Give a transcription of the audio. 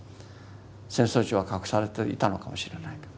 戦争中は隠されていたのかもしれないけど。